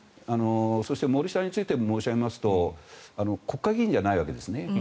そして森さんについて申し上げますと国会議員じゃないわけですね。